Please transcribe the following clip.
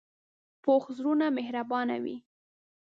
پوخ زړونه مهربانه وي